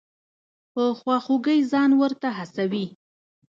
په خواخوږۍ ځان ورته هڅوي.